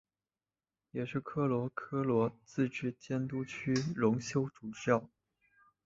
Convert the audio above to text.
也是科罗科罗自治监督区荣休主教。